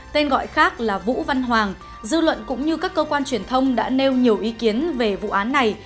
tên gọi khác là vũ văn hoàng dư luận cũng như các cơ quan truyền thông đã nêu nhiều ý kiến về vụ án này